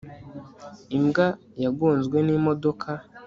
imbwa yagonzwe n'imodoka